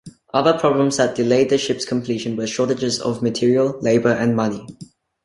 Other problems that delayed the ship's completion were shortages of material, labor and money.